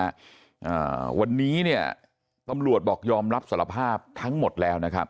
อ่าวันนี้เนี่ยตำรวจบอกยอมรับสารภาพทั้งหมดแล้วนะครับ